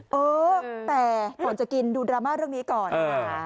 เออแต่ก่อนจะกินดูดราม่าเรื่องนี้ก่อนค่ะ